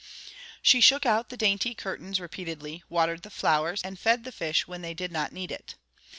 She shook out the dainty curtains repeatedly, watered the flowers, and fed the fish when they did not need it.